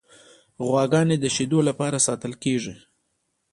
غواګانې د شیدو لپاره ساتل کیږي.